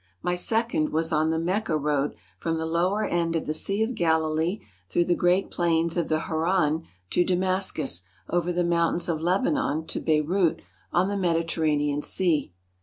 My second was on the Mecca road from the lower end of the Sea of Galilee through the great plains of the Hauran to Damascus over the mountains of Leba non to Beirut on the Mediterranean Sea.